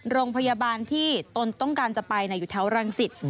โรงพยาบาลที่ตนต้องการจะไปอยู่แถวรังสิต